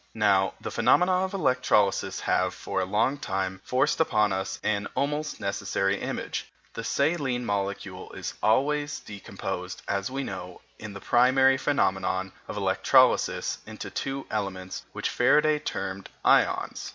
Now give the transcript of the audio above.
Now, the phenomena of electrolysis have, for a long time, forced upon us an almost necessary image. The saline molecule is always decomposed, as we know, in the primary phenomenon of electrolysis into two elements which Faraday termed ions.